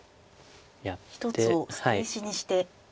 １つを捨て石にして。